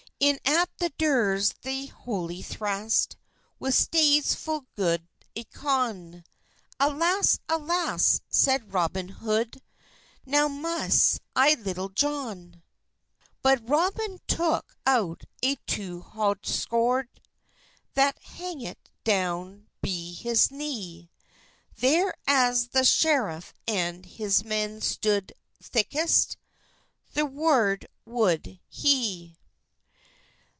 In at the durres thei throly thrast With staves ful gode ilkone, "Alas, alas," seid Robin Hode, "Now mysse I Litulle Johne." But Robyne toke out a too hond sworde That hangit down be his kne; Ther as the schereff and his men stode thyckust, Thidurward wold he.